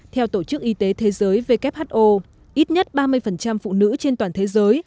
theo tổ chức y tế thế giới who ít nhất ba mươi phụ nữ trên toàn thế giới